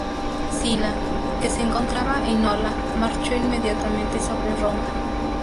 Sila, que se encontraba en Nola, marchó inmediatamente sobre Roma.